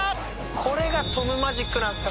これがトムマジックなんですよ。